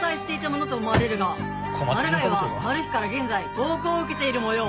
マルガイはマルヒから現在暴行を受けているもよう。